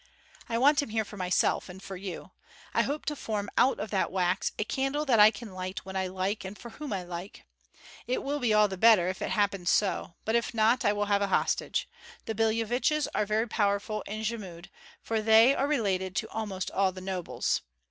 I want him here for myself and for you; I hope to form out of that wax a candle that I can light when I like and for whom I like. It will be all the better if it happens so; but if not, I will have a hostage. The Billeviches are very powerful in Jmud, for they are related to almost all the nobles.